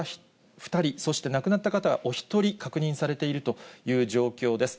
２人、そして亡くなった方はお１人、確認されているという状況です。